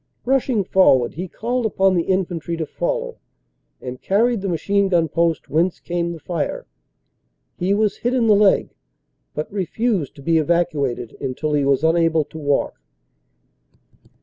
Rushing forward he called upon the infantry to follow, and carried the machine gun post whence came the fire. He was hit in the leg but refused to be evacuated until he was unable to walk.